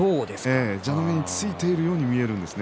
蛇の目についているようにも見えるんです。